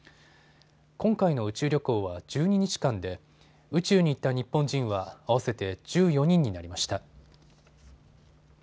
今回の宇宙旅行は１２日間で宇宙に行った日本人は合わせて１４人になりました。